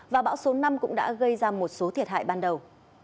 và bão số năm cũng đã gây ra một số thiệt hại ban đầu